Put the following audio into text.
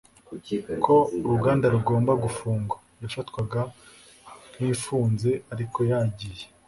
ko uruganda rugomba gufungwa. yafatwaga nk'ifunze, ariko yagiye